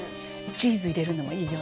チーズ入れるのもいいよね。